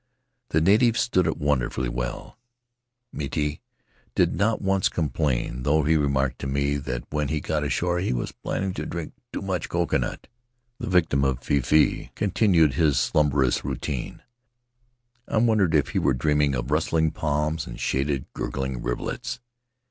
The natives stood it wonderfully well; Miti did not once complain, though he remarked to me that when he got ashore he was planning to " drink too much coconut"! The victim of feefee continued his slumberous routine — I wondered if he were dreaming of rustling palms and shaded, gurgling rivulets.